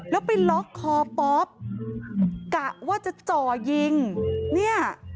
แล้วไปล็อกคอป๊อปกะว่าจะจ่อยิงเนี่ย